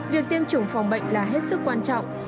việc tiêm chủng phòng bệnh là hết sức quan trọng